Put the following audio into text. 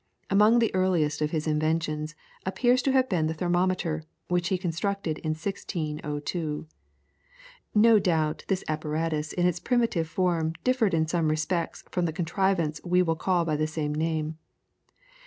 Among the earliest of his inventions appears to have been the thermometer, which he constructed in 1602. No doubt this apparatus in its primitive form differed in some respects from the contrivance we call by the same name.